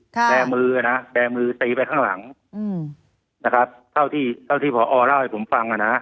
แบร์มือนะแบร์มือตีไปข้างหลังอืมนะครับเท่าที่เท่าที่พอเล่าให้ผมฟังอ่ะนะ